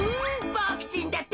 ボクちんだって！